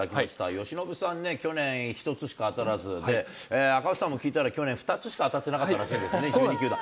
由伸さんね、去年１つしか当たらずで、赤星さんも聞いたら去年、２つしか当たってなかったらしいですね、１２球団。